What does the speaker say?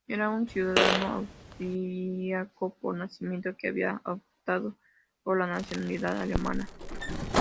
Era un ciudadano austriaco por nacimiento que había optado por la nacionalidad alemana.